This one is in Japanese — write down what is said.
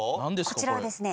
こちらはですね